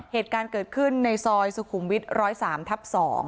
เหตุการณ์เกิดขึ้นในซอยสุขุมวิท๑๐๓ทับ๒